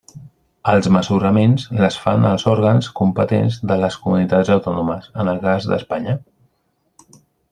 Els mesuraments les fan els òrgans competents de les comunitats autònomes, en el cas d'Espanya.